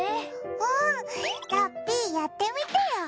うん、ラッピーやってみてよ。